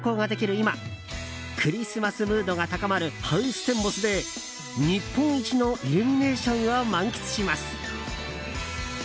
今クリスマスムードが高まるハウステンボスで日本一のイルミネーションを満喫します。